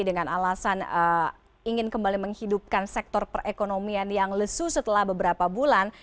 dengan alasan ingin kembali menghidupkan sektor perekonomian yang lesu setelah beberapa bulan